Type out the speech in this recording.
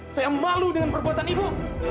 saya malu dengan perbuatan ibu